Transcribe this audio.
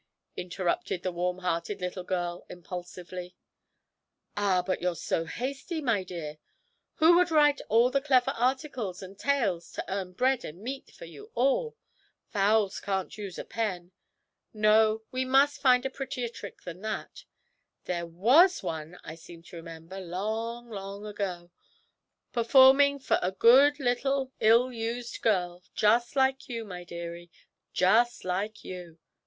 interrupted the warmhearted little girl impulsively. 'Ah, but you're so hasty, my dear. Who would write all the clever articles and tales to earn bread and meat for you all? fowls can't use a pen. No, we must find a prettier trick than that there was one I seem to remember, long, long ago, performing for a good little ill used girl, just like you, my dearie, just like you!